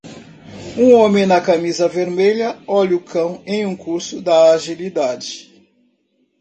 O homem na camisa vermelha olha o cão em um curso da agilidade.